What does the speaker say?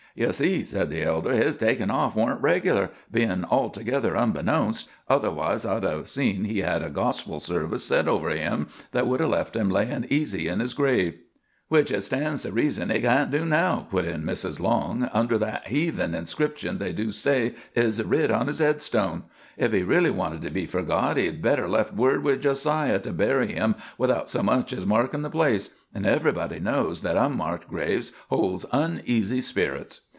"You see," said the elder, "his takin' off wa'n't regular, bein' altogether unbeknownst, otherwise I'd 'a' seen he had gospel service said over him that would 'a' left him layin' easy in his grave." "Which hit stands to reason he can't do now," put in Mrs. Long, "under that heathen inscription they do say is writ on his headstone. If he really wanted to be forgot, he'd better left word with Jo siah to bury him without so much as markin' the place; an' everybody knows that unmarked graves holds uneasy spirits."